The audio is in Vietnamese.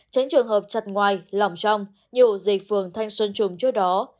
tránh trường hợp chặt ngoài lỏng trong nhụ dịch phường thanh xuân trùm trước đó